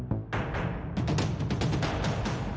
โปรดติดตามตอนต่อไป